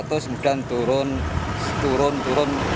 kemudian turun turun turun